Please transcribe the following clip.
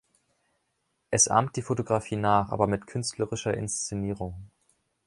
Es ahmt die Fotografie nach, aber mit künstlerischer Inszenierung.